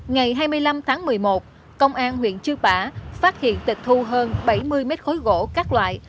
ngày hai mươi năm tháng một mươi một công an huyện chư pả phát hiện tịch thu hơn bảy mươi mét khối gỗ các loại